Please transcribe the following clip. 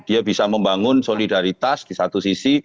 dia bisa membangun solidaritas di satu sisi